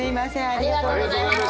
ありがとうございます。